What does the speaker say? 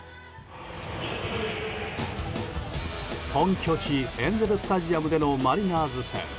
本拠地エンゼル・スタジアムでのマリナーズ戦。